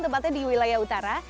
tempatnya di wilayah utara